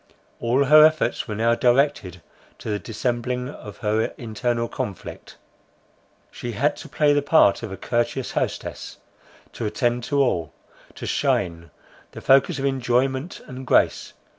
All her efforts were now directed to the dissembling her internal conflict. She had to play the part of a courteous hostess; to attend to all; to shine the focus of enjoyment and grace.